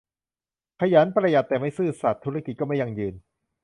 ขยัน ประหยัดแต่ไม่ซื่อสัตย์ ธุรกิจก็ไม่ยั่งยืน